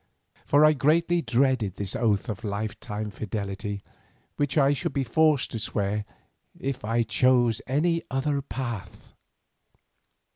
For I greatly dreaded this oath of life long fidelity which I should be forced to swear if I chose any other path.